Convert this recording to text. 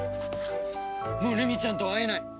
もうルミちゃんとは会えない。